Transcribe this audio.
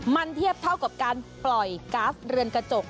มันเทียบเท่ากับการปล่อยกราฟเรือนกระจก